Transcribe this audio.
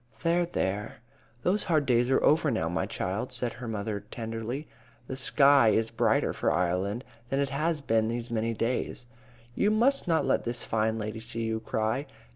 "There, there, those hard days are over now, my child," said her mother, tenderly. "The sky is brighter for Ireland than it has been these many years. You must not let this fine lady see you cry.